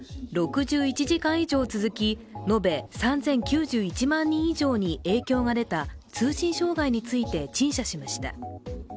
６１時間以上続き延べ３０９１万人以上に影響が出た通信障害について陳謝しました。